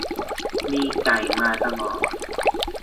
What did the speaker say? มีไก่มาตลอด